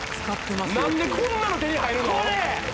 何でこんなの手に入るの？